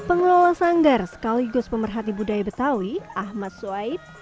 pengelola sanggar sekaligus pemerhati budaya betawi ahmad swaib